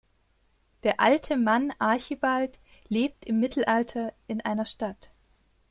Der alte Mann Archibald lebt im Mittelalter in einer Stadt.